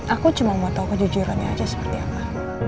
aku cuma mau tahu kejujurannya aja seperti apa